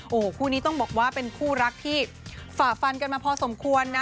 โอ้โหคู่นี้ต้องบอกว่าเป็นคู่รักที่ฝ่าฟันกันมาพอสมควรนะ